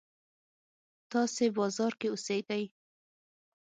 تاسې بازار کې اوسېږئ.